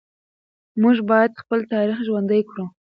موږ باید خپل تاریخ ژوندي کړو.